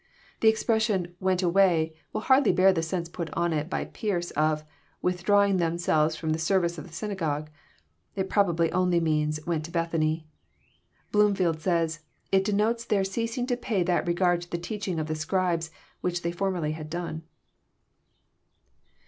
The expression, <* went away," will hardly bear the sense put on it by Pearce, of <* withdrawing themselves fi'om the service of the synagogue." It probably only means " went to Bethany." Bloomfleld says, '* It denotes their ceasing to pay that regard to the teaching of the Scribes, which they formerly had done."